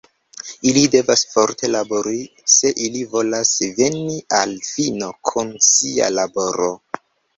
Ili devas forte labori, se ili volas veni al fino kun sia laboro.